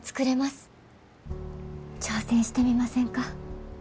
挑戦してみませんか？